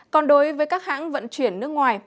còn đối với các hãng vận chuyển nước ngoài